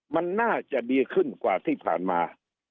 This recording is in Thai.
มันน่าจะดีขึ้นกว่าที่ผ่านมา